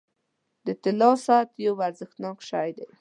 • د طلا ساعت یو ارزښتناک شی دی.